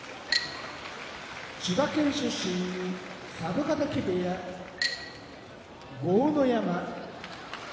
千葉県出身佐渡ヶ嶽部屋豪ノ山